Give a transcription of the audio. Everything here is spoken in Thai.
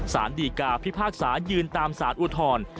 สารดีกาพิพากษายืนตามสารอุทธร